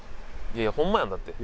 いやホンマやんだって。